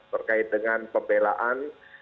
terkait dengan pembelaan